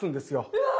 うわ！